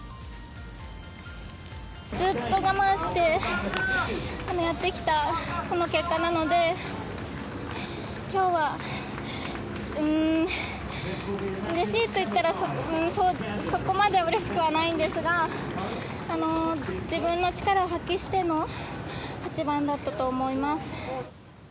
ずっと我慢してやってきたこの結果なので、今日は、うれしいと言ったら、そこまで嬉しくはないんですが、自分の力を発揮しての８番だったと思います。